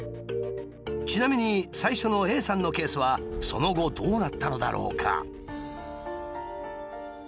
ちなみに最初のＡさんのケースはその後どうなったのだろうか？